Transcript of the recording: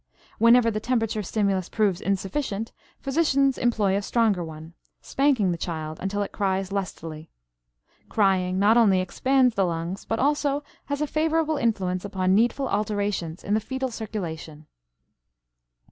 Whenever the temperature stimulus proves insufficient, physicians employ a stronger one, spanking the child until it cries lustily. Crying not only expands the lungs, but also has a favorable influence upon needful alterations in the fetal circulation.